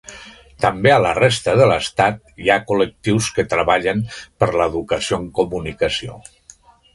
També a la resta de l'Estat hi ha col·lectius que treballen per l'educació en comunicació.